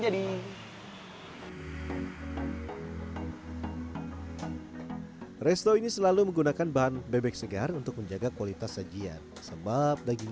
hai resto ini selalu menggunakan bagian bebek segar untuk menjaga kualitas sajian sebab daging